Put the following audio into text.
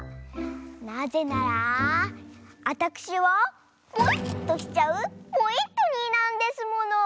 なぜならあたくしはポイっとしちゃうポイットニーなんですもの！